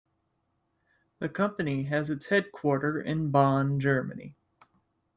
The company has its headquarter in Bonn, Germany.